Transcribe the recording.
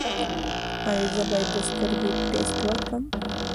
ایا زه باید د سترګو ټسټ وکړم؟